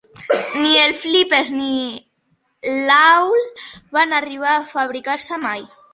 Ni el 'Flipper' ni l''Awl' van arribar a fabricar-se mai.